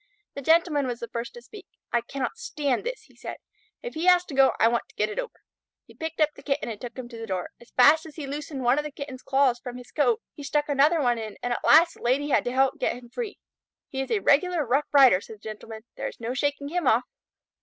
The Gentleman was the first to speak. "I cannot stand this," he said. "If he has to go, I want to get it over." He picked up the Kitten and took him to the door. As fast as he loosened one of the Kitten's claws from his coat he stuck another one in, and at last the Lady had to help get him free. "He is a regular Rough Rider," said the Gentleman. "There is no shaking him off."